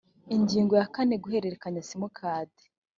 ingingo ya kane guhererekanya simukadi